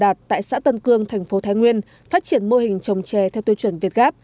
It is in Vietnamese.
đạt tại xã tân cương thành phố thái nguyên phát triển mô hình trồng trè theo tiêu chuẩn việt gáp